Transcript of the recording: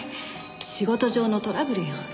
仕事上のトラブルよ。